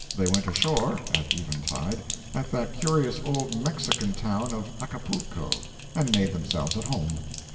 They went ashore, at eventide, at that curious old Mexican town of Acapulco, and made themselves at home.